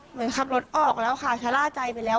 เหมือนขับรถออกแล้วค่ะชะล่าใจไปแล้ว